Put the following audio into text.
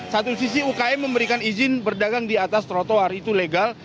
satu sisi ukm memberikan izin berdagang di atas trotoar itu legal